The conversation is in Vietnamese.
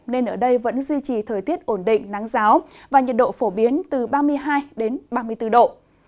nên ở đây vẫn duy trì thời tiết ổn định nắng giáo và nhiệt độ phổ biến từ ba mươi hai ba mươi bốn độ